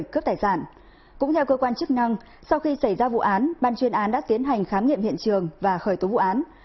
các cơ quan chức năng sau khi xảy ra vụ án ban chuyên án đã tiến hành khám nghiệm hiện trường và khởi tố vụ án